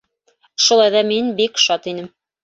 Шулай ҙа мин бик шат инем.